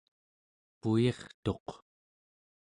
puyirtuq